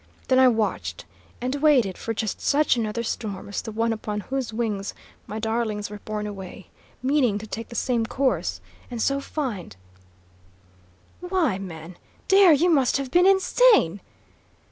Then I watched and waited for just such another storm as the one upon whose wings my darlings were borne away, meaning to take the same course, and so find " "Why, man, dear, you must have been insane!"